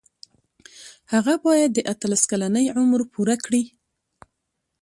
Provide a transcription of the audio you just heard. هغه باید د اتلس کلنۍ عمر پوره کړي.